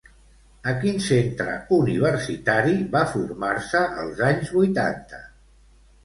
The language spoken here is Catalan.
A quin centre universitari va formar-se als anys vuitanta?